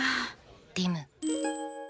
リム。